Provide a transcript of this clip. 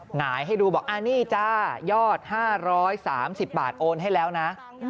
หงายให้ดูบอกนี่จ้ายอด๕๓๐บาทโอนให้แล้วนะ